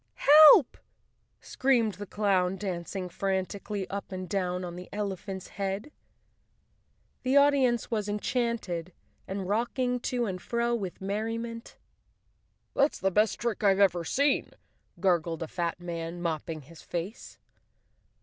"Help!" screamed the clown, dancing frantically up and down on the elephant's head. The audience was enchanted and rocking to and fro with merriment. " That's the best trick I've ever seen," gurgled a fat man, mopping his face.